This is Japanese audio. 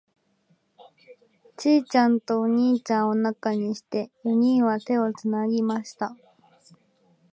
ちいちゃんとお兄ちゃんを中にして、四人は手をつなぎました。